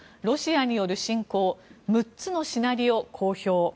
ロシアによる侵攻６つのシナリオ、公表。